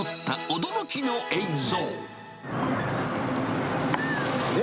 驚きの映像。